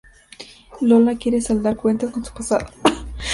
Lola quiere saldar cuentas con su pasado.